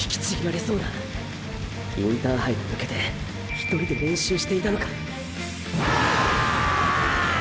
インターハイに向けて一人で練習していたのかあ！